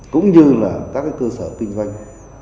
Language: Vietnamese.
cũng như là các cơ sở kinh doanh